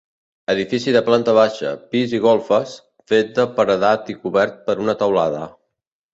Edifici de planta baixa, pis i golfes, fet de paredat i cobert per una teulada.